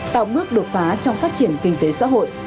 tạo bước đột phá trong phát triển kinh tế xã hội